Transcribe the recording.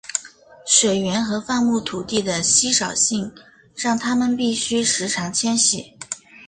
水源和放牧土地的稀少性让他们必须时常迁徙。